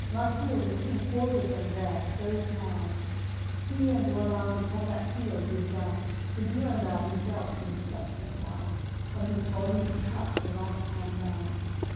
Marsile the king fought with them there, so proud; He and Rollanz upon that field did joust. With Durendal he dealt him such a clout From his body he cut the right hand down.